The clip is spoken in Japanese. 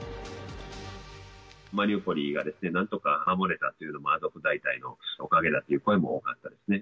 マリウポリがなんとか守れたっていうのは、アゾフ大隊のおかげだという声も多かったですね。